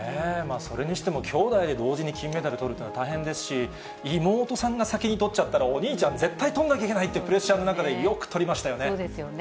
それにしても、兄妹で同時に金メダルとるっていうのは大変ですし、妹さんが先にとっちゃったら、お兄ちゃん、絶対とんなきゃいけないっていうプレッシャーの中でよくとりましたよね。